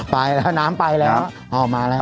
ไปแล้วน้ำไปแล้วออกมาแล้ว